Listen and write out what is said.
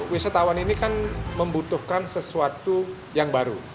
wisatawan ini kan membutuhkan sesuatu yang baru